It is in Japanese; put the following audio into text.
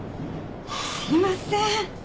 すいません。